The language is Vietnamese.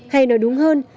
hay nói đúng hơn